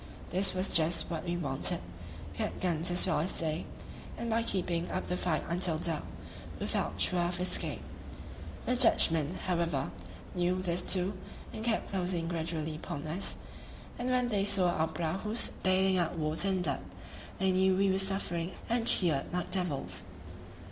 This was just what we wanted; we had guns as well as they, and by keeping up the fight until dark, we felt sure of escape. The Dutchmen, however, knew this too, and kept closing gradually upon us; and when they saw our prahus bailing out water and blood, they knew we were suffering and cheered like devils.